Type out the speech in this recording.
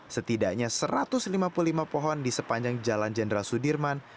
setidaknya satu ratus lima puluh lima pohon di sepanjang jalan jenderal sudirman